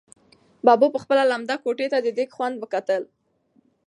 ببو په خپله لمده ګوته د دېګ خوند وکتل.